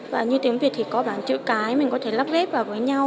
và như tiếng việt thì có bản chữ cái mình có thể lắp ghép vào với nhau